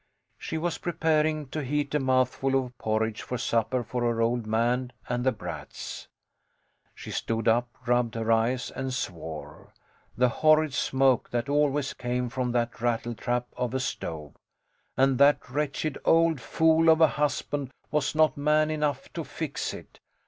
She was preparing to heat a mouthful of porridge for supper for her old man and the brats. She stood up, rubbed her eyes and swore. The horrid smoke that always came from that rattletrap of a stove! And that wretched old fool of a husband was not man enough to fix it!